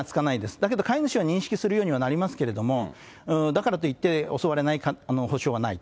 だけど、飼い主は認識するようにはなりますけれども、だからといって襲われない補償はないと。